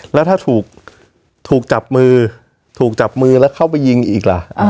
แล้วถ้าถูกจับมือถูกจับมือแล้วเข้าไปยิงอีกล่ะ